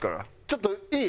ちょっといい？